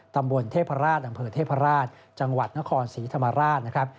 ตำบลเทพราชอำเภอเทพราชจังหวัดนครศรีธรรมราชนะครับ